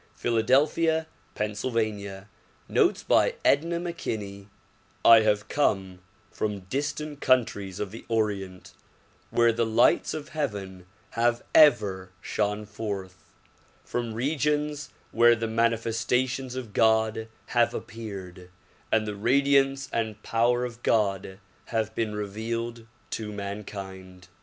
Philadelphia, Pa. Notes by Edna McKinney I HAVE come from distant countries of the Orient where the lights of heaven have ever shone forth ; from regions where the manifestations of God have appeared and the radiance and power of God have been revealed to mankind.